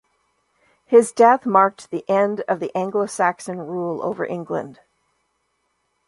His death marked the end of Anglo-Saxon rule over England.